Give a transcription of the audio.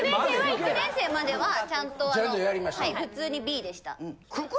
６年生まではちゃんと普通にＢでした。